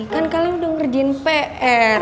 kan kalian udah ngerjain pr